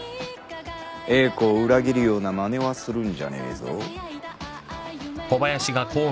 英子を裏切るようなまねはするんじゃねえぞ。